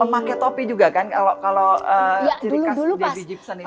pake topi juga kan kalau ciri khas debbie gibson itu